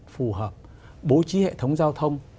phù hợp bố trí hệ thống giao thông